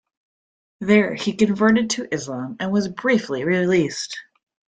There he converted to Islam and was briefly released.